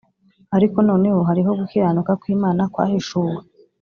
ariko noneho hariho gukiranuka kw’Imana kwahishuwe,